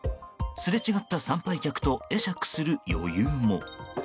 すれ違った参拝客と会釈する余裕も。